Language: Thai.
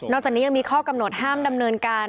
จากนี้ยังมีข้อกำหนดห้ามดำเนินการ